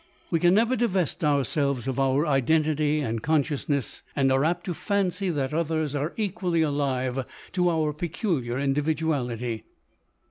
We can never divest ourselves of our identity and consciousness, and are apt to fancy that others LODORE. 219 are equally alive to our peculiar individuality.